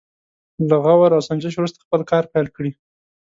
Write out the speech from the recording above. له غور او سنجش وروسته خپل کار پيل کړي.